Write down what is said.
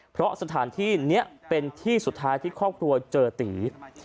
เพราะสถานที่นี้เป็นที่สุดท้ายที่ครอบครัวเจอตี